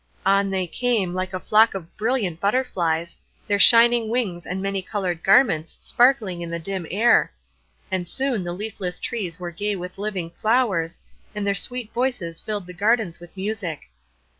On they came, like a flock of brilliant butterflies, their shining wings and many colored garments sparkling in the dim air; and soon the leafless trees were gay with living flowers, and their sweet voices filled the gardens with music.